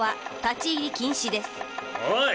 おい！